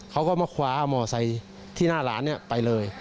เขาก็มาขวามอเซย์ที่หน้าร้านนี่ไปเลย